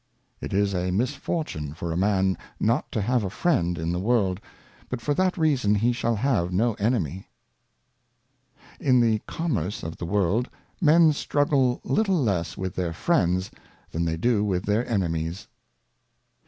It is a Misfortune for a Man not to have a Friend in the World, but for that reason he shall have no Enemy. In the Commerce of the World, Men struggle little less with their Friends, than they do vnth their Enemies.